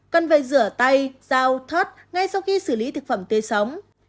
cần phải rửa tay dao thoát ngay sau khi xử lý thực phẩm tươi sống